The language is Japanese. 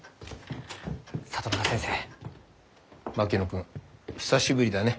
君久しぶりだね。